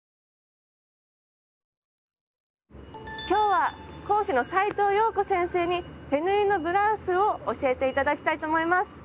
今日は講師の斉藤謠子先生に手縫いのブラウスを教えて頂きたいと思います。